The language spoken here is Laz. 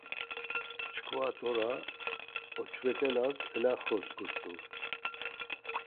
Çkva t̆ora oç̌vetelas elaxrotskut̆u.